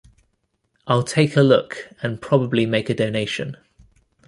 I'll take a look and probably make a donation